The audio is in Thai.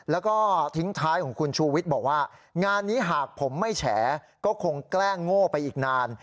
แล้วก็ทิ้งท้ายของคุณชูวิทย์บอกว่างานนี้หากผมไม่แฉก็คงแกล้งโง่ไปอีกนาน